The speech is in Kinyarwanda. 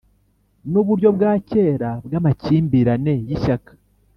nuburyo bwa kera bwamakimbirane yishyaka;